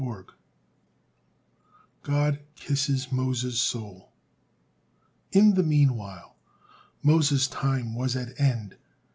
GOD KISSES MOSES' SOUL In the meanwhile Moses' time was at an end.